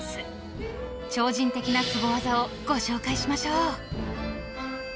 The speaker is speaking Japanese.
［超人的なすご技をご紹介しましょう］